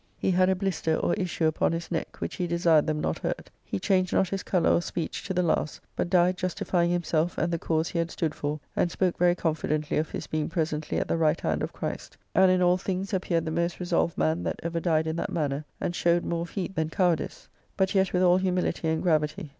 He had a blister, or issue, upon his neck, which he desired them not hurt: he changed not his colour or speech to the last, but died justifying himself and the cause he had stood for; and spoke very confidently of his being presently at the right hand of Christ; and in all, things appeared the most resolved man that ever died in that manner, and showed more of heat than cowardize, but yet with all humility and gravity.